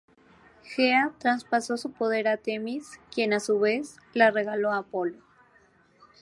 Gea traspasó su poder a Temis, quien, a su vez, la regaló a Apolo.